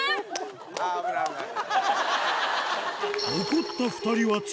危ない危ない。